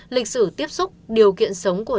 lịch sử tiếp xúc điều kiện